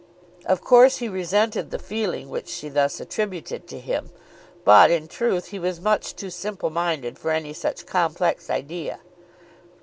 Of course she resented the feeling which she thus attributed to him. But, in truth, he was much too simple minded for any such complex idea.